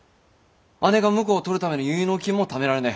姉が婿を取るための結納金もためられねえ。